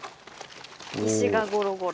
石がゴロゴロ。